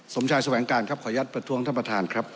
สมชายสวัสดิ์แห่งการครับขอยัดประท้วงท่านประธานครับ